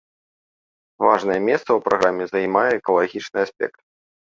Важнае месца ў праграме займае экалагічны аспект.